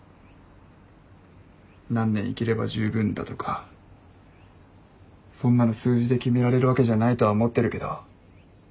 何年生きれば十分だとかそんなの数字で決められるわけじゃないとは思ってるけど。